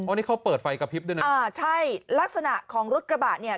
อันนี้เขาเปิดไฟกระพริบด้วยนะอ่าใช่ลักษณะของรถกระบะเนี่ย